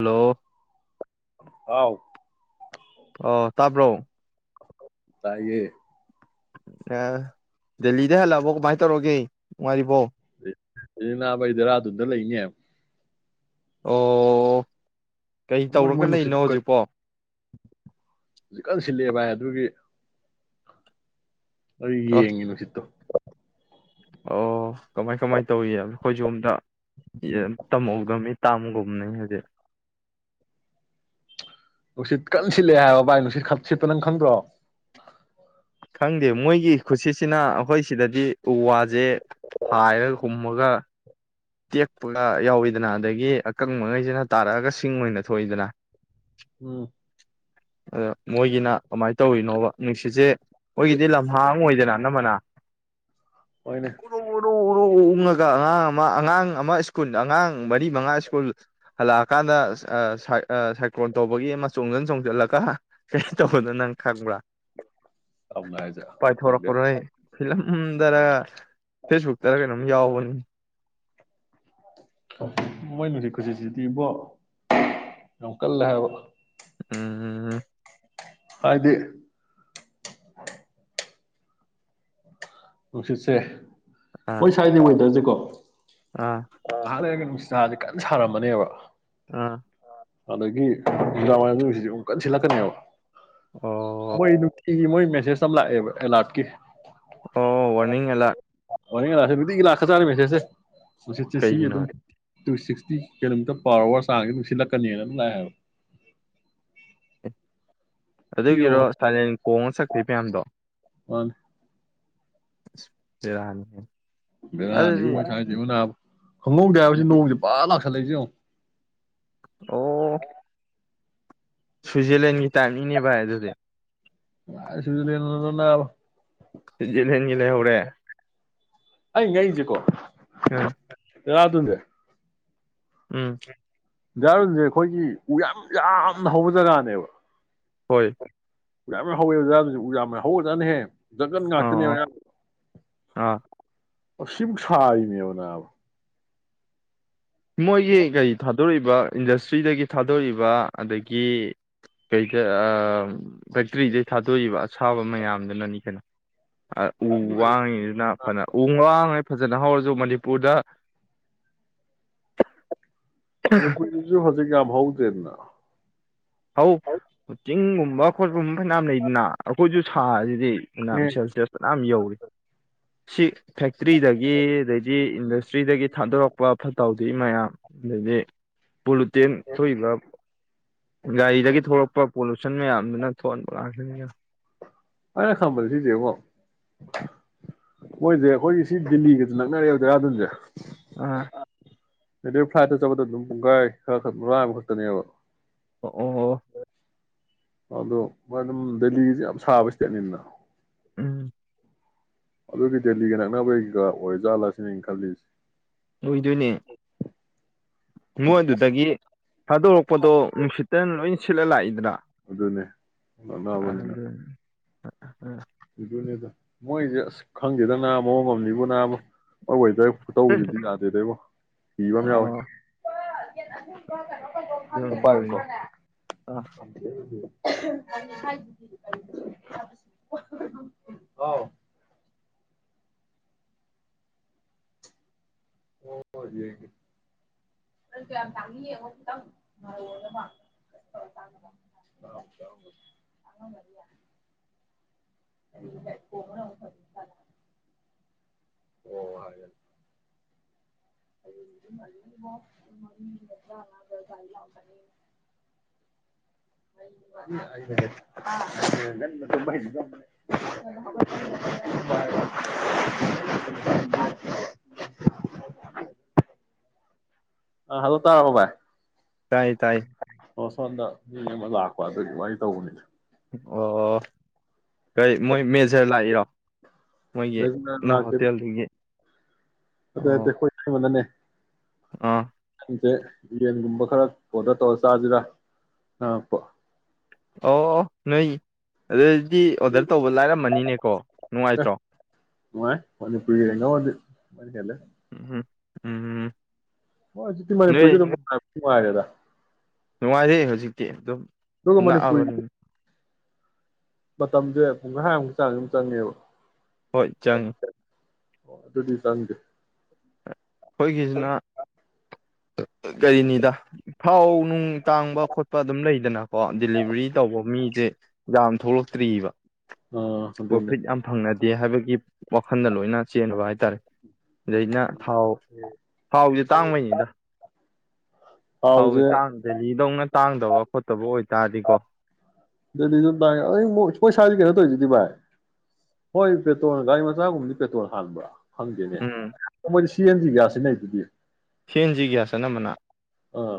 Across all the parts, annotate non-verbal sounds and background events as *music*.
Hello ꯍꯥꯎ ꯑꯣ ꯇꯥꯕ꯭ꯔꯣ ꯇꯥꯏꯌꯦ ꯑ ꯗꯜꯂꯤꯗꯩ ꯍꯂꯛ ꯑꯕꯣ ꯀꯃꯥꯏꯅ ꯇꯧꯔꯒꯦ ꯅꯨꯡꯉꯥꯏ ꯔꯤꯕꯣ ꯅꯥꯕ ꯑꯩ ꯗꯦꯔꯥꯗꯨꯟꯗ ꯂꯩꯅꯦ ꯑꯣ ꯀꯩ ꯃꯣꯏ ꯇꯧꯔꯒ ꯃꯣꯏ ꯅꯨꯡꯁꯤꯠ ꯂꯩꯅꯣ ꯈꯨꯀꯟ ꯍꯧꯖꯤꯛꯄꯣ ꯁꯤꯜꯂꯦ ꯚꯏ ꯑꯗꯨꯒꯤ ꯑꯩ ꯑ ꯌꯦꯡꯉꯤ ꯅꯨꯡꯁꯤꯠꯇꯣ *inaudible* ꯑꯣ ꯀꯃꯥꯏ ꯀꯃꯥꯏ ꯇꯧꯋꯦꯌ ꯑꯩꯈꯣꯏꯖꯣꯝꯗ ꯇꯝꯍꯧ *inaudible* ꯇꯝꯒꯨꯝꯅꯦ ꯍꯥꯏꯗꯤ ꯅꯨꯡꯁꯤꯠ ꯀꯟ ꯁꯤꯠꯂꯦ ꯍꯥꯏꯕ ꯚꯥꯏ ꯅꯨꯡꯁꯤꯠ ꯁꯤꯠꯄ ꯅꯪ ꯈꯪꯗ꯭ꯔꯣ ꯈꯪꯗꯦ ꯃꯣꯏꯒꯤ ꯈꯨꯠꯁꯤꯁꯤꯅ ꯑꯩꯈꯣꯏ ꯁꯤꯗꯗꯤ ꯎ ꯋꯥꯁꯦ ꯍꯥꯏꯔꯒ ꯍꯨꯝꯃꯒ ꯇꯦꯛꯄꯒ ꯌꯥꯎꯏꯤꯗꯅ ꯑꯗꯒꯤ ꯑꯀꯪꯕꯉꯩꯁꯤꯅ ꯇꯥꯔꯛꯑꯒ ꯁꯤꯡ ꯑꯣꯏꯅ ꯊꯣꯛꯏꯗꯅ ꯎꯝ ꯑꯗ ꯃꯣꯏꯒꯤꯅ ꯀꯃꯥꯏꯅ ꯇꯧꯔꯤꯅꯣꯕ ꯅꯨꯡꯁꯤꯠꯁꯦ ꯃꯣꯏꯒꯤꯗꯤ ꯂꯝ ꯍꯥꯡ ꯑꯣꯏꯗꯅ ꯑꯅꯝꯕꯅ ꯍꯣꯏꯅꯦ ꯎꯔꯨ ꯎꯔꯨ ꯎꯔꯨ ꯑꯨꯡꯉꯒ ꯑꯉ ꯑꯃ ꯑꯉꯥꯡ ꯑꯃ ꯁ꯭ꯀꯨꯜ ꯑꯉꯥꯡ ꯃꯔꯤ ꯃꯉꯥ ꯁ꯭ꯀꯨꯜ ꯍꯜꯂꯛꯑꯀꯥꯟꯗ ꯁꯥꯏꯀ꯭ꯂꯣꯟ ꯇꯧꯕꯒꯤ ꯑꯃ ꯆꯣꯡꯖꯟ ꯆꯣꯡꯖꯟꯂꯒ ꯀꯩꯅꯣ ꯇꯧꯕꯗꯣ ꯅꯪ ꯈꯪꯕ꯭ꯔꯥ ꯇꯝꯅ ꯍꯥꯏꯁꯦ ꯈꯪꯗꯦ ꯄꯥꯏꯊꯣꯔꯛꯄꯗꯣ ꯍꯦ ꯐꯤꯂꯝ *inaudible* ꯗꯅ ꯐꯦꯁꯕꯨꯛꯇꯔ ꯀꯩꯅꯣꯝ ꯌꯥꯎꯕꯅꯤ ꯃꯣꯏꯅ ꯅꯨꯡꯁꯤꯠ ꯈꯨꯁꯤꯠꯁꯤꯗꯤ ꯏꯕꯣ ꯌꯥꯝ ꯀꯜꯂꯦ ꯍꯥꯏꯕ ꯎꯝ ꯍꯥꯏꯗꯤ ꯅꯨꯡꯁꯤꯠꯁꯦ ꯑꯥ ꯃꯣꯏ ꯁꯥꯏꯗꯤ ꯋꯦꯗ꯭ꯔꯁꯦꯀꯣ ꯑꯥ ꯉꯍꯥꯛ ꯂꯩꯔꯒ ꯅꯨ ꯁꯥꯁꯦ ꯀꯟ ꯁꯥꯔꯝꯃꯅꯦꯕ ꯑꯥ ꯑꯗꯒꯤ ꯅꯨꯡꯗꯥꯡ ꯋꯥꯏꯔꯝꯁꯦ ꯅꯨꯡꯁꯤꯠꯁꯦ ꯀꯟ ꯁꯤꯠꯂꯛꯀꯅꯦꯕ ꯑꯣ *inaudible* *inaudible* ꯃꯣꯏ ꯃꯦꯁꯦꯖ ꯑꯃ ꯂꯥꯛꯑꯦꯕ ꯑꯦꯂꯥꯔꯠꯀꯤ ꯑꯣ ꯋꯥꯅꯤꯡ ꯑꯔꯥꯠ ꯋꯥ ꯂꯦꯒꯤ ꯂꯥꯛ ꯍ ꯆꯥ ꯃꯁꯦꯁꯦ *unintelligible* ꯅꯨꯡꯁꯤꯠ ꯁꯤ ꯁꯤꯒꯤ ꯀꯩꯒꯤꯅꯣ ꯑꯗꯨꯝ ꯇꯨ ꯁꯤꯛꯁꯇꯤ ꯀꯤꯂꯣꯃꯤꯇꯔ ꯄꯥꯔ ꯑꯋꯥꯔ ꯆꯥꯡꯁꯦ ꯑꯗꯨꯝ ꯁꯤꯜꯂꯛꯀꯅꯤꯅ ꯑꯗꯨꯝ ꯂꯥꯛꯑꯦꯕ ꯑꯗꯨꯒꯤꯔꯣ ꯁꯥꯏꯂꯦꯟ ꯀꯣꯡꯉ ꯆꯛꯈꯔ꯭ꯤ ꯃꯌꯥꯝꯗꯣ ꯃꯥꯅꯤ ꯕꯦꯔꯥꯅꯤ ꯕꯦꯔꯥꯅꯤꯕꯣ ꯑꯗꯨꯗꯤ ꯃꯣꯏ ꯁꯋ꯭ꯥꯏꯁꯦ ꯅꯥꯕ ꯈꯪꯍꯧꯗꯦ ꯍꯥꯏꯕ ꯅꯣꯡꯁꯦ ꯄꯔ ꯂꯥꯛꯁꯜꯂꯛꯏꯁꯦ ꯌꯦꯡꯉꯣ ꯑꯣ ꯁ꯭ꯋꯤꯖꯔꯂꯦꯟꯒꯤ ꯇꯥꯏꯞꯅꯤꯡꯅꯦ ꯚꯥꯏ ꯍꯥꯏꯗꯣ ꯦ *unintelligible* ꯂꯩꯅꯅꯕ *unintelligible* ꯁꯋꯤꯖꯂꯦꯟꯒ ꯂꯩꯍꯧꯔꯦ ꯑꯩ ꯉꯛꯏꯁꯦꯀꯣ ꯑꯝ ꯗꯦꯔꯥꯗꯨꯟꯁꯦ ꯑꯗꯨꯗ ꯎꯝ ꯗꯦꯔꯥꯗꯨꯟꯁꯦ ꯑꯩꯈꯣꯏꯒꯤ ꯎ ꯌꯥꯝ ꯌꯥꯝꯅ ꯍꯧꯕ ꯖꯒꯥꯅꯦꯕ ꯍꯣꯏ ꯎ ꯌꯥꯝ ꯌꯥꯝꯅ ꯍꯧꯋꯦ ꯑꯩꯈꯣꯏ ꯗꯦꯔꯥꯗꯨꯟꯁꯦ ꯎ ꯌꯥꯝꯅ ꯍꯧꯈꯔꯖꯥꯠꯅꯤꯍꯦ ꯖꯪꯒꯟ ꯉꯥꯛꯇꯅꯦꯕ ꯑꯥ ꯑꯌꯥꯝꯕ ꯑꯥ ꯑꯁꯤꯐꯥꯎ ꯁꯥꯔꯤꯅꯦꯕ ꯅꯥꯕ ꯃꯣꯏꯒꯤ ꯀꯩ ꯊ ꯊꯥꯗꯣꯔꯛꯏꯕ ꯏꯟꯗꯁꯇ꯭ꯔꯤꯗꯒꯤ ꯊꯥꯗꯣꯔꯏꯕ ꯑꯗꯒꯤ ꯀꯩꯗ ꯐꯦꯛꯇ꯭ꯔꯤꯗꯒꯤ ꯊꯥꯗꯣꯛꯏꯕ ꯑꯁꯥꯕ ꯃꯌꯥꯝꯗꯨꯅꯅꯤ ꯀꯩꯅꯣ ꯎ ꯋꯥꯡꯉꯤꯗꯨꯅ ꯐꯅ ꯎ ꯋꯥꯡꯉꯩ ꯐꯖꯅ ꯍꯧꯔꯁꯤ ꯑꯗꯨ ꯃꯅꯤꯄꯨꯔꯗ ꯃ ꯀꯣꯏꯁꯨ ꯀ ꯍꯥꯎꯗꯦꯅ ꯕ ꯈꯣꯠꯄꯨꯝꯕ ꯐꯅꯌꯥꯝ ꯂꯩꯗꯅ ꯑꯩꯈꯣꯏꯁꯨ ꯁꯥꯁꯤꯗꯤ ꯁꯦꯜꯁꯤꯌꯁ ꯀꯅꯝ ꯌꯧꯔꯤ ꯁꯤ ꯐꯦꯛꯇ꯭ꯔꯤꯗꯒꯤ ꯑꯗꯩꯗꯤ ꯏꯟꯗꯁꯇ꯭ꯔꯤꯗꯒꯤ ꯊꯥꯗꯣꯔꯛꯄ ꯐꯠꯇꯥꯎꯗꯤ ꯃꯌꯥꯝ ꯑꯗꯩꯗꯤ ꯄꯨꯇꯦꯅ ꯊꯣꯛꯂ ꯒꯥꯔꯤꯗꯒꯤ ꯊꯂꯛꯄ ꯄꯣꯂꯨꯁꯟ ꯃꯌꯥꯝꯗꯨꯅ ꯊꯣꯛꯍꯟꯕ ꯉꯥꯛꯁꯤꯅꯤꯅ ꯑꯅ ꯈꯝꯕꯜꯁꯤꯗꯦꯕꯣ ꯃꯣꯏꯁꯦ ꯑꯩꯈꯣꯏꯒꯤ ꯁꯤ ꯗꯤꯜꯂꯤꯒꯁꯨ ꯅꯛꯅꯔꯦꯕ ꯖꯦꯔꯥꯗꯨꯟꯁꯦ ꯑ ꯑꯗꯨꯗꯤ ꯐ꯭ꯂꯥꯏꯠꯇ ꯆꯠꯄꯗꯣ ꯑꯗꯨꯝ ꯥꯏ ꯈꯔ ꯈ ꯑꯃ ꯈꯛꯇꯅꯦꯕ ꯑꯣ ꯑꯗꯣ ꯃꯣꯏ ꯑꯗꯨꯝ ꯗꯦꯜꯂꯤꯁꯦ ꯌꯥꯝ ꯁꯥꯕ ꯏꯁꯇꯦꯠꯅꯤꯗꯅ ꯎꯝ ꯑꯗꯨꯒꯤ ꯗꯦꯜꯂꯤꯒ ꯅꯛꯅꯕꯒꯤꯒ ꯑꯣꯏꯔꯖꯥꯠꯂꯁꯤꯅꯦ ꯑꯩ ꯈꯜꯂꯤꯁꯦ ꯑꯣꯏꯗꯨꯣꯏꯅꯦ ꯃꯣꯏ ꯑꯗꯨꯗꯒꯤ ꯊꯥꯗꯣꯔꯛꯄꯗꯣ ꯅꯨꯡꯁꯤꯠꯇꯅ ꯂꯣꯏ ꯁꯤꯠꯂ ꯂꯥꯛꯏꯗꯅ ꯑꯗꯨꯅꯦ ꯂꯕꯅꯤꯅ ꯎꯝ ꯅꯤꯗ ꯃꯣꯏꯗꯤꯁ ꯈꯪꯗꯦ ꯅꯥ ꯃꯑꯣꯡ ꯑꯃꯝꯅꯤꯕꯣ ꯅꯥꯕ ꯃꯣꯏ ꯋꯦꯗꯔ ꯈꯨꯇꯧꯖꯤꯗꯤ ꯌꯥꯗꯦꯗꯕꯣ ꯀꯤꯕ ꯑꯃ ꯌꯥꯎꯏꯤ ꯑꯣ ꯑꯍꯨꯝꯕ ꯀ ꯑꯝ ꯄꯥꯏꯌꯨꯀꯣ *inaudible* ꯑ ꯑꯥꯎ *unintelligible* *unintelligible* ꯑ ꯍꯜꯂꯣ ꯇꯥꯔꯕꯣ ꯚꯥꯏ ꯇꯥꯏ ꯇꯥꯏ ꯑꯣ ꯁꯣꯝꯗ ꯃꯤ ꯑꯃ ꯂꯥꯛꯄ ꯑꯗꯨꯏ ꯋꯥꯔꯤ ꯇꯧꯕꯅꯤꯗ ꯑꯣ ꯀꯩ ꯃꯣꯏ ꯃꯦꯖꯔ ꯂꯥꯛꯏꯔꯣ ꯃꯣꯏꯒꯤ ꯅꯣ ꯍꯣꯇꯦꯜꯗꯨꯒꯤ ꯑꯗꯨ ꯅꯠꯇꯦ ꯑꯣ ꯈꯣꯏ ꯏꯇꯩꯃꯅꯅꯦ ꯑꯥ ꯁꯦ ꯌꯦꯟꯒꯨꯝꯕ ꯈꯔ ꯐꯣꯗꯔ ꯇꯧꯔ ꯆꯥꯁꯤꯔꯥ ꯍꯪꯉꯛꯄ ꯑꯣ ꯅꯣꯏ ꯑꯗꯨꯗꯤ ꯑꯗꯨꯗꯤ ꯑꯣꯗꯔ ꯇꯧꯕ ꯂꯥꯏꯔꯝꯃꯅꯤꯅꯦꯀꯣ ꯑꯦ ꯅꯨꯡꯉꯥꯏꯇ꯭ꯔꯣ ꯅꯨꯡꯉꯥꯏ ꯃꯅꯤꯄꯨꯔꯒ ꯌꯦꯡꯅꯧꯔꯗꯤ ꯃꯣꯏ ꯍꯦꯜꯂꯦ ꯎꯝꯝ ꯎꯝ ꯍꯣꯏ ꯍꯖꯤꯛꯇꯤ ꯅꯣꯏ ꯄꯅꯤꯄꯨꯔꯖꯨ ꯑꯗꯨꯝ ꯅꯨꯠꯉꯥꯏꯔꯦꯗ ꯅꯨꯡꯉꯥꯏꯔꯦ ꯍꯧꯖꯤꯛꯇꯤ ꯑꯗꯨꯝ ꯗꯨꯒ ꯃꯅꯤꯄꯨꯔ ꯅꯛꯑꯕꯅꯤ ꯃꯇꯝꯁꯦ ꯄꯨꯡꯈꯥꯏꯃꯨꯛ ꯆꯥꯡ ꯑꯗꯨꯝ ꯆꯪꯉꯦꯕ ꯍꯣꯏ ꯆꯪꯉꯤ ꯑꯣ ꯑꯗꯨꯗꯤ ꯆꯪꯗꯦ ꯑꯩꯈꯣꯏꯒꯤꯁꯤꯅ ꯀꯔꯤꯅꯤꯗ ꯊꯥꯎ ꯅꯨꯡ ꯇꯥꯡꯕ ꯈꯣꯠꯄ ꯑꯗꯨꯝ ꯂꯩꯗꯅꯀꯣ ꯗꯤꯂꯤꯚꯔꯤ ꯇꯧꯕ ꯃꯤꯁꯦ ꯌꯥꯝ ꯊꯣꯛꯂꯛꯇ꯭ꯑꯔꯤꯕ ꯑꯥ ꯑꯗꯨꯅꯦ ꯄ꯭ꯔꯣꯐꯤꯠ ꯌꯥꯝ ꯐꯪꯅꯗꯦ ꯍꯥꯏꯕꯒꯤ ꯋꯥꯈꯟꯗ ꯂꯣꯏꯅ ꯆꯦꯟꯅꯕ ꯍꯥꯏꯇꯥꯔꯦ ꯑꯗꯩꯅ ꯊꯥꯎ ꯊꯥꯎꯁꯦ ꯇꯥꯡꯕꯩꯅꯤꯗ ꯊꯥꯎꯖꯦ ꯊꯥꯎꯁꯦ ꯇꯥꯡꯗ꯭ꯔꯗꯤ ꯇꯥꯡꯗꯕ ꯈꯣꯠꯇꯕ ꯑꯣꯏꯇꯥꯔꯗꯤꯀꯣ ꯗꯦꯜꯂꯤꯗ ꯇꯥꯡꯏ ꯑꯗꯩ ꯑꯃꯨꯛ ꯑꯩꯈꯣꯏꯁꯥꯏ ꯀꯩꯅꯣ ꯇꯧꯔꯤꯁꯤꯗꯤ ꯚꯥꯏ ꯍꯣꯏ ꯄꯦꯇ꯭ꯔꯣꯜ ꯒꯥꯔꯤ ꯃꯆꯥꯒꯨꯝꯕꯗꯤ ꯄꯦꯇ꯭ꯔꯣꯜ ꯍꯥꯟꯕ꯭ꯔꯥ ꯈꯪꯗꯦꯅꯦ ꯎꯝ ꯁꯤꯑꯦꯟꯖꯤ ꯒ꯭ꯌꯥꯁ ꯁꯤꯖꯤꯟꯅꯩꯗꯨꯗꯤ ꯁꯤꯑꯦꯟꯖꯤ ꯒ꯭ꯌꯥꯁ ꯑꯅꯝꯕꯅ ꯑꯥ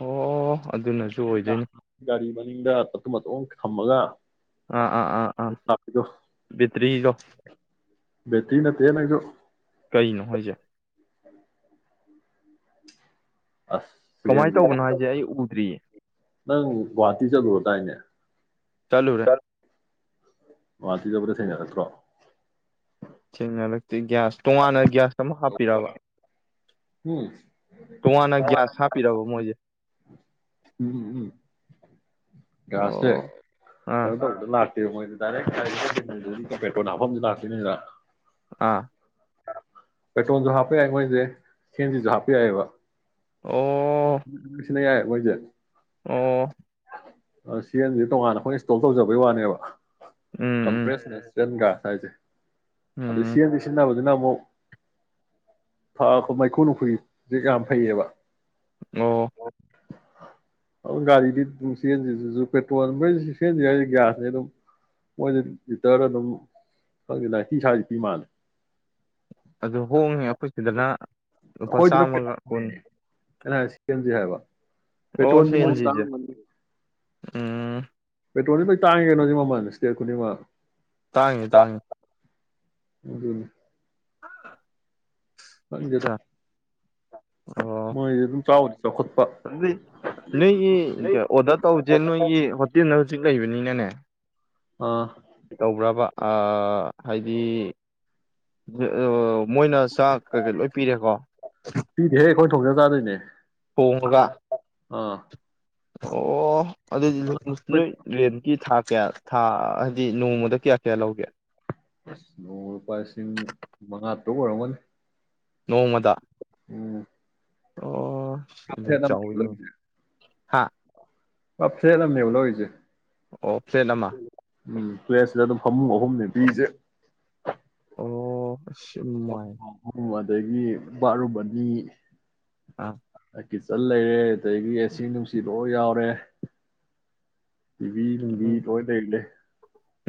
ꯑꯣ ꯑꯗꯨꯅꯁꯨ ꯑꯣꯏꯗꯣꯏꯅꯤ ꯒꯥꯔꯤ ꯃꯅꯤꯡꯗ ꯊꯝꯃꯒ ꯑꯥ ꯑꯥ ꯑꯥ ꯑꯥ ꯂꯥꯛꯄꯤꯗꯣ ꯕꯦꯇ꯭ꯔꯤꯗꯣ ꯕꯦꯇ꯭ꯔꯤ ꯅꯠꯇꯦꯍꯦ ꯅꯪꯁꯨ ꯀꯩꯅꯣ ꯍꯥꯏꯁꯦ ꯑꯁ ꯁꯤ ꯀꯃꯥꯏꯅ ꯑꯦꯝꯁꯤꯒ ꯇꯧꯕꯅꯣ ꯍꯥꯏꯁꯦ ꯑꯩ ꯎꯗ꯭ꯔꯤꯌꯦ ꯅꯪ ꯒꯨꯍꯥꯇꯤ ꯆꯠꯂꯨꯔꯗꯥꯏꯅꯦ ꯆꯠꯂꯨ ꯔꯦ ꯒꯨꯍꯥꯇꯤ ꯆꯠꯄꯗ ꯊꯦꯡꯅꯔꯛꯇ꯭ꯔꯣ ꯊꯦꯡꯅꯔꯛ ꯒꯤ꯭ꯌꯥꯁ ꯇꯣꯉꯥꯟꯅ ꯒꯤꯒ꯭ꯌꯥꯁ ꯑꯃ ꯍꯥꯞꯄꯤꯔꯕ ꯎꯝꯝ ꯇꯣꯉꯥꯟꯅ ꯇꯣꯡꯉꯥꯟꯅ ꯒ꯭ꯌꯥꯁ ꯍꯥꯞꯄꯤꯔꯕ ꯃꯣꯏꯁꯦ ꯎꯝ ꯎꯝ ꯎꯝ ꯒ꯭ꯌꯥꯁ ꯁꯦ ꯑꯣ ꯑꯥ ꯀꯩꯅꯣ ꯇꯧꯕꯗ ꯂꯥꯛ ꯃꯣꯏ ꯗꯥꯏꯔꯦꯛ ꯄꯦꯇ꯭ꯔꯣꯜ ꯍꯥꯞꯐꯝꯁꯨ ꯂꯥꯛꯇꯣꯏꯅꯤꯗ ꯑꯥ ꯄꯦꯇ꯭ꯔꯣꯜꯁꯨ ꯍꯥꯄꯦ ꯌꯥꯏ ꯃꯣꯏꯁꯦ ꯁꯤꯑꯦꯟꯖꯤ ꯁꯨ ꯍꯥꯞꯄ ꯌꯥꯏꯑꯦꯕ ꯑꯣ ꯁꯤꯅ ꯌꯥꯏ ꯃꯣꯏꯁꯦ ꯑꯣ ꯁꯤꯑꯦꯟꯖꯤ ꯇꯣꯉꯥꯟꯅ ꯑꯩꯈꯣꯏ ꯏꯟꯁꯇꯣꯜ ꯇꯧꯖꯕꯒꯤ ꯋꯥꯅꯦꯕ ꯎꯝ ꯎꯝ ꯀꯝꯄ꯭ꯔꯦꯁ ꯅꯦꯆꯔꯔꯦꯜ ꯒ꯭ꯌꯥꯁ ꯊꯥꯏꯖꯦ ꯑꯗꯨ ꯎꯝ ꯁꯤꯑꯦꯟꯖꯤ ꯁꯤꯖꯤꯟꯅꯕꯗꯨ ꯑꯗꯨꯅꯃꯨꯛ ꯐ ꯃꯩꯈꯨ ꯃꯈꯨꯏ ꯖꯤꯛꯌꯥꯝ ꯐꯩꯌ‌ꯦꯕ꯫ ꯑꯣ꯫ ꯑꯗꯨ ꯒꯥꯔꯤꯗꯤ ꯑꯗꯨꯝ ꯆꯦꯟꯗꯁꯨ ꯄꯦꯇ꯭ꯔꯣꯜ ꯃꯣꯏ ꯆꯦꯟꯗ꯭ꯔꯤ ꯍꯥꯏꯗꯤ ꯒ꯭ꯌꯥꯁꯅꯤ ꯑꯗꯨꯝ ꯃꯣꯏꯗꯤ ꯂꯤꯇꯔ ꯑꯗꯨꯝ ꯈꯪꯗꯦ ꯅꯥꯏꯇꯤ ꯁꯋꯥꯁꯤ ꯄꯤ ꯃꯥꯂꯦ꯫ ꯑꯗꯨ ꯍꯣꯡꯉꯦ ꯑꯩꯈꯣꯏ ꯁꯤꯗꯅ꯫ ꯂꯨꯄꯥ ꯍꯣꯏꯗꯨꯅ ꯆꯥꯝꯃꯒ ꯀꯨꯟ ꯄ‌ꯦꯅ‌ꯦ꯫ ꯑꯩꯅ ꯍꯥꯏꯖꯤ ꯁꯤꯑꯦꯝꯖꯤ ꯍꯥꯏꯕ꯫ ꯑꯣ ꯄꯦꯇ꯭ꯔꯣꯜꯁꯤ ꯃꯣꯏꯁꯨ ꯁꯤꯑꯦꯟꯖꯤꯁ‌ꯦ ꯇꯥꯡꯉꯝꯒꯅꯤ ꯎꯝ꯫ ꯄꯦꯇ꯭ꯔꯣꯜꯗꯤ ꯂꫭꯏ ꯇꯥꯡꯉꯤ ꯀꯩꯅꯣ ꯃꯃꯜ ꯏꯁꯇꯦꯠ ꯈꯨꯗꯤꯡꯃꯛ꯫ ꯇꯥꯡꯉꯤ ꯇꯥꯡꯉꯤ꯫ ꯑꯗꯨꯅꯤ꯫ ꯑ꯫ ꯪꯈꯪꯗ‌ꯦꯗ ꯑꯣ ꯃꯣꯏꯗꯤ ꯑꯗꯨꯝ ꯆꯥꯎꯕꯅꯤ꯫ ꯑꯗꯨꯗꯤ ꯅꯣꯏꯒꯤ ꯑꯣꯗꯔ ꯇꯧꯁꯦ ꯅꯣꯏꯒꯤ ꯍꯣꯇꯦꯜꯅ ꯍꯧꯖꯤꯛ ꯂꯩꯕꯅꯤꯅ꯫ ꯅꯦ꯫ ꯑꯥ ꯇꯧꯕ꯭ꯔꯥꯕ꯫ ꯑꯥ ꯍꯥꯏꯗꯤ ꯑꯣ꯫ ꯃꯣꯏꯅ ꯆꯥꯛ ꯀꯩꯀꯩ ꯂꯣꯏ ꯄꯤꯔꯦꯀꯣ꯫ ꯑꯈꯣꯏ ꯊꯣꯡꯖ ꯆꯥꯗꯣꯏꯅꯦ꯫ ꯊꫭꯡꯉꯒ꯫ ꯑꯥ꯫ ꯑꯣ꯫ ꯑꯗꯨꯗꯤ ꯑꯁ ꯅꯣꯏ ꯔꯦꯟꯀꯤ ꯊꯥ ꯀꯌꯥ꯫ ꯊꯥ ꯍꯥꯏꯗꯤ ꯅꯣꯡꯃꯗ ꯀꯌꯥ ꯀꯌꯥ ꯂꯧꯒꯦ꯫ ꯅꯣꯡꯃ ꯂꯨꯄꯥ ꯂꯤꯁꯤꯡ ꯃꯉꯥꯇꯔꯨꯛ ꯑꯣꯏꯔꯝꯒꯅꯤ꯫ ꯅꯣꯡꯃꯗ꯫ ꯎꯝ ꯑꯣ꯫ *unintelligible* ꯍꯥꯥ꯫ ꯄ ꯐ‌ꯦꯠ ꯑꯝꯅ‌ꯦꯕ ꯂꯧꯔꯤꯁ‌ꯦ꯫ ꯑꯣ ꯐꯦꯠ ꯑꯃ꯫ ꯎꯝ ꯄ‌ꯦꯁꯗ ꯑꯗꯨꯝ ꯐꯃꯨꯡ ꯑꯍꯨꯝꯅꯤ ꯄꯤꯔꯤꯁꯦ꯫ ꯑꯣ ꯑꯁ ꯌꯥꯝ ꯅꯨꯡꯉꯥꯏ *unintelligible* ꯑꯗꯒꯤ ꯕꯥꯠꯔꯨꯝ ꯑꯅꯤ꯫ ꯑꯥ꯫ ꯀꯤꯆꯟ ꯂꯩꯔꯦ ꯑꯗꯨꯗꯒꯤ ꯑꯦꯁꯤ ꯅꯨꯡꯁꯤ ꯂꯣꯏ ꯌꯥꯎꯔꯦ꯫ ꯇꯤꯕꯤ ꯅꯨꯡꯕꯤ ꯎꯝ ꯂꫭꯏ ꯂꯩꯔ‌ꯦ꯫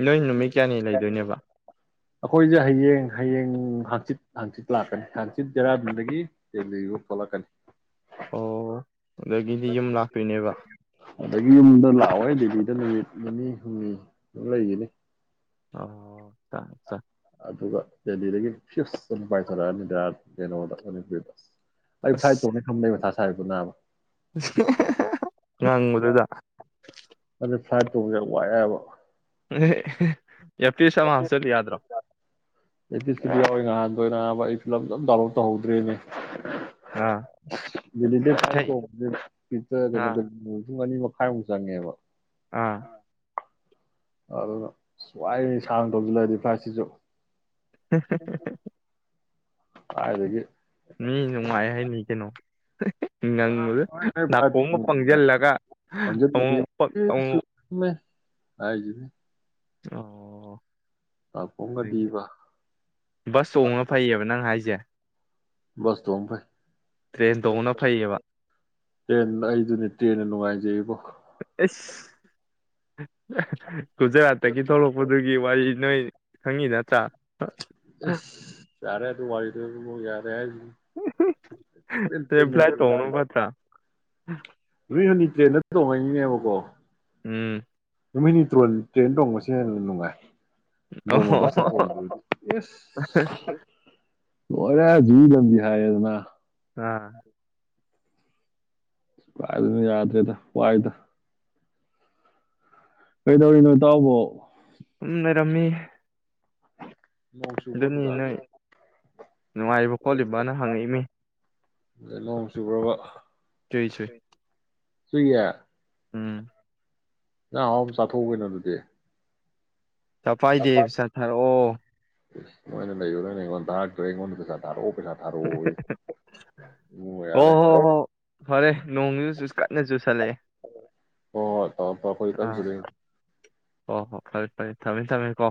ꯅꯣꯏ ꯅꯨꯃꯤꯠ ꯀꯌꯥꯅꯤ ꯂꯩꯗꯣꯏꯅꯦꯕ ꯑꯈꯣꯏꯁꯦ ꯍꯌꯦꯡ ꯍꯌꯦꯡ ꯍꯡꯆꯤꯠ ꯍꯡꯆꯤꯠ ꯂꯥꯛꯀꯅꯤ ꯍꯡꯆꯤꯠ ꯗꯦꯔꯥꯗꯨꯟꯗꯒꯤ ꯗꯦꯜꯂꯤꯐꯥꯎ ꯊꯣꯛꯂꯛꯀꯅꯤ ꯑꯣ ꯑꯗꯒꯤꯗꯤ ꯌꯨꯝ ꯂꯥꯛꯇꯣꯏꯅꯦꯕ ꯑꯗꯒꯤ ꯌꯨꯝꯗ ꯂꯥꯛꯑꯣꯢ ꯗꯦꯜꯂꯤꯗ ꯅꯨꯃꯤꯠ ꯅꯤꯅꯤ ꯍꯨꯝꯅꯤ ꯑꯗꯨꯝ ꯂꯩꯈꯤꯅꯤ ꯑꯣ ꯆ ꯆ ꯑꯗꯨꯒ ꯗꯦꯜꯂꯤꯗꯒꯤ ꯐꯤꯛꯁ ꯑꯗꯨꯝ ꯄꯥꯏꯊꯣꯔꯛꯑꯅꯤꯗ ꯀꯩꯅꯣꯗ ꯃꯅꯤꯄꯨꯔꯤꯗ ꯑꯩ ꯐ꯭ꯂꯥꯢꯠ ꯑꯁ ꯇꯣꯡꯅꯦ ꯈꯟꯕꯗ ꯑꯩ ꯃꯊꯥ ꯍꯥꯏꯕ ꯅꯥꯕ ꯉꯥꯡꯕꯗꯨꯗ ꯐ꯭ꯂꯥꯢꯠ ꯇꯣꯡꯕꯁꯦ ꯌꯥꯝ ꯋꯥꯢꯌꯦꯕ *unintelligible* ꯑꯦꯔ ꯄꯤꯁ ꯑꯃ ꯍꯞꯆꯤꯜꯂꯣ ꯌꯥꯗ꯭ꯔꯣ ꯏꯔꯄꯤꯁ ꯀꯤꯗꯤ ꯌꯥꯎꯏ ꯉꯍꯥꯟꯗꯣꯏ ꯅꯕ ꯑꯩ ꯐꯤꯂꯝ ꯑꯗꯨꯝ ꯗꯥꯎꯟꯂꯣꯗ ꯇꯧꯍꯧꯗ꯭ꯔꯦꯅꯦ ꯑꯥ ꯏꯁꯩ ꯑꯥ *unintelligible* ꯄꯨꯡ ꯑꯅꯤ ꯃꯈꯥꯏꯃꯨꯛ ꯆꯪꯉꯦꯕ ꯑꯥ ꯑꯗꯨꯅ ꯁ꯭ꯋꯥꯏ ꯁꯥꯡꯅ ꯇꯣꯡꯁꯤꯜꯂꯛꯑꯁꯨꯗ ꯐ꯭ꯂꯥꯏꯠ ꯁꯤꯁꯨ *unintelligible* ꯀꯥꯏꯗꯒꯤ ꯃꯤ ꯅꯨꯡꯉꯥꯏ ꯍꯥꯏꯅꯤ ꯀꯩꯅꯣ *unintelligible* ꯪꯉꯡꯕꯒ ꯅꯥꯀꯣꯡꯒ ꯄꯪꯖꯜꯂꯒ ꯑꯃꯨꯃꯨꯛ ꯄꯛ ꯑꯃꯨꯛ ꯍꯥꯏꯗꯨꯅꯦ ꯑꯣ ꯑꯗꯒꯤ ꯅꯥꯀꯣꯡꯀꯗꯤꯕ ꯕꯁ ꯇꯣꯡꯕꯅ ꯐꯩꯌꯦꯕ ꯅꯪ ꯍꯥꯏꯁꯦ ꯕꯁꯇꯣꯡ ꯇ꯭ꯔꯦꯟ ꯐꯩ ꯇꯣꯡꯕꯅ ꯐꯩꯌꯦꯕ ꯇꯦꯟ ꯑꯩꯗꯨꯅꯦ ꯇ꯭ꯔꯦꯟꯅ ꯅꯨꯡꯉꯥꯏ ꯖꯩꯕꯣ ꯑꯩꯁ ꯒꯨꯖꯔꯥꯠꯇꯒꯤ ꯊꯣꯛꯂꯛꯄꯗꯨꯒꯤ ꯋꯥꯔꯤ ꯅꯣꯏ ꯈꯪꯉꯤ ꯅꯇ꯭ꯔꯥ ꯏꯁ ꯌꯥꯔꯦ ꯗꯨ ꯋꯥꯔꯤꯗꯣ ꯏꯕꯨꯉꯣ ꯌꯥꯔꯦ ꯍꯥꯏꯖꯅꯤ ꯄꯨꯡꯄꯦꯟ ꯐ꯭ꯂꯥꯏꯠ ꯇꯣꯡꯕꯅ ꯄꯦꯟꯕꯅꯤ ꯐꯠꯇ꯭ꯔꯥ *unintelligible* ꯅꯨꯃꯤꯠ ꯍꯨꯅꯤ ꯇ꯭ꯔꯦꯟꯗ ꯇꯣꯡꯉꯩꯅꯤꯅꯦꯕꯀꯣ ꯎꯝ ꯅꯨꯃꯤꯠ ꯅꯤ ꯇ꯭ꯔꯦꯟ ꯇꯣꯡꯕꯁꯦ ꯍꯦꯟꯅ ꯅꯨꯡꯉꯥꯏ ꯅꯣꯡꯃ ꯑꯣ ꯕꯁꯇ ꯇꯣꯡꯗꯩ ꯑꯣꯏꯔꯗꯤ ꯏꯁ ꯑꯣꯔꯦ ꯑꯗꯨꯏ ꯂꯝꯕꯤ ꯍꯥꯏꯔꯦꯗꯅ ꯑꯥ ꯀꯔꯥꯏꯗꯩꯅꯣ ꯌꯥꯗꯔꯦꯗ ꯋꯥꯏꯗ ꯀꯩꯗꯧꯔꯤꯅꯣ ꯏꯇꯥꯎꯕꯣ ꯎꯝ ꯂꯩꯔꯝꯃꯤ ꯅꯣꯡ ꯆꯨꯕ꯭ꯔꯣ ꯑꯗꯨꯅꯤ ꯅꯣꯏ ꯑꯗꯨꯗ ꯅꯨꯡꯉꯥꯏꯕ ꯈꯣꯠꯂꯤꯕꯅ ꯍꯪꯉꯛꯏꯃꯤ ꯑꯗ ꯅꯣꯡ ꯆꯨꯕ꯭ꯔꯕ ꯆꯨꯏ ꯆꯨꯏ ꯆꯨꯏꯌꯦ ꯎꯝ ꯏꯟꯖꯥꯡ ꯑꯍꯥꯑꯣꯕ ꯆꯥꯊꯣꯛꯎ ꯀꯩꯅꯣ ꯑꯗꯨꯗꯤ ꯆꯄꯥꯏꯗꯦ ꯄꯩꯁꯥ ꯊꯥꯔꯛ ꯑꯣ ꯃꯣꯏꯅ ꯂꯩꯕ ꯅꯣꯏꯅ ꯑꯩꯉꯣꯟ ꯊꯥꯔꯛꯇ꯭ꯔꯦ ꯑꯩꯉꯣꯟꯗ ꯄꯩꯁꯥ ꯊꯥꯔꯛꯑꯣ ꯄꯩꯁꯥ ꯊꯥꯔꯛꯑꯣꯌꯦ ꯏꯕꯨꯉꯣ ꯑꯣ ꯌꯥꯔꯦ ꯍꯣ ꯍꯣ ꯐꯔꯦ ꯅꯣꯡꯁꯨ ꯀꯟꯅ ꯆꯨꯁꯜꯂꯛꯑꯦ *unintelligible* ꯍꯣ ꯍꯣꯏ ꯇꯧ ꯇꯧꯔꯣ ꯀꯟ ꯑꯥ *unintelligible* ꯍꯣ ꯍꯣ ꯐꯔꯦ ꯐꯔꯦ ꯊꯝꯃꯦ ꯊꯝꯃꯦ ꯀꯣ